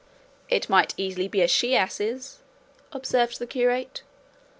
"It might easily be a she ass's," observed the curate.